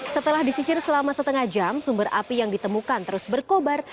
setelah disisir selama setengah jam sumber api yang ditemukan terus berkobar